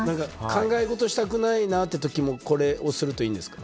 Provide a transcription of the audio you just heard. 考え事したくないなって時もこれをするといいんですか。